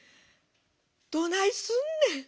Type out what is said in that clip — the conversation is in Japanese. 『どないすんねん。